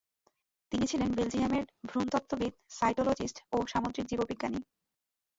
তিনি ছিলেন বেলজিয়ামের ভ্রূণতত্ত্ববিদ, সাইটোলজিস্ট এবং সামুদ্রিক জীববিজ্ঞানী।